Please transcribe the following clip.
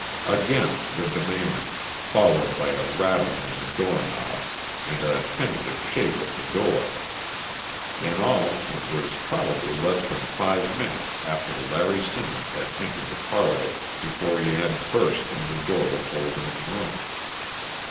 Again the demand, followed by a rattling of the doorknob and a tentative shake of the door. In all, it was probably less than five minutes after Larry Simmons had entered the parlor before he had burst in the door of Holden's room.